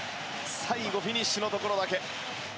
最後フィニッシュのところだけ。